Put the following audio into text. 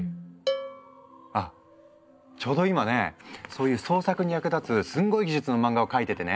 あっちょうど今ねそういう創作に役立つすんごい技術の漫画を描いててね。